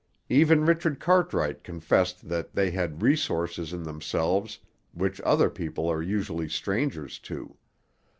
Even Richard Cartwright confessed that they had 'resources in themselves which other people are usually strangers to.'